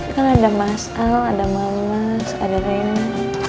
kan ada mas al ada mama ada rena